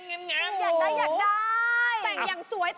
แต่งอย่างสวย